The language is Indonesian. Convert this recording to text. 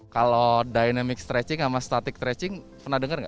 kalau dynamic stretching sama static stretching pernah dengar nggak